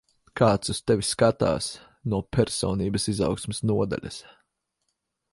Kāds uz tevi skatās no personības izaugsmes nodaļas.